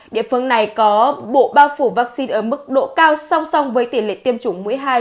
địa phương này có bộ bao phủ vaccine ở mức độ cao song song với tỷ lệ tiêm chủng mũi hai